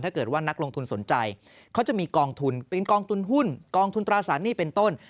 ถ้าเกิดว่านักลงทุนสนใจเขาจะมีกองทุนเป็นกองทุนหุ้นกองทุนตราสารหนี้เป็นต้น